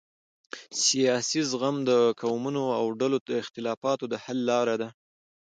سیاسي زغم د قومونو او ډلو د اختلافاتو د حل لاره ده